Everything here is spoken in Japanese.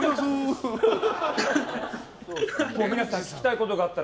皆さん聞きたいことがあれば。